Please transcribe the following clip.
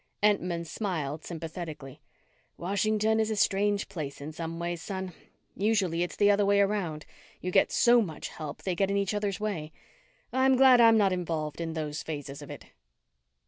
Entman smiled sympathetically. "Washington is a strange place in some ways, son. Usually it's the other way around. You get so much help they get in each other's way. I'm glad I'm not involved in those phases of it."